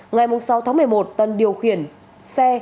ngày sáu tháng một mươi một tân điều khiển xe